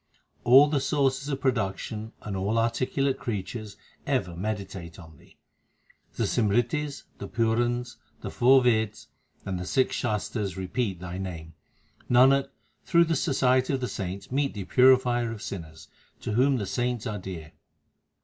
All the sources of production and all articulate creatures ever meditate on Thee. The Simritis, the Purans, the four Veds, and the six Shastars repeat Thy name. Nanak, through the society of the saints meet the Purifier of sinners, to whom the saints are dear.